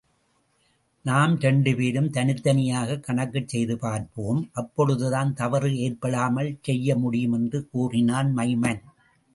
நாம் இரண்டுபேரும் தனித்தனியாகக் கணக்குச்செய்து பார்ப்போம், அப்பொழுதுதான், தவறு ஏற்படாமல் செய்யமுடியும்! என்று கூறினான் மைமன்.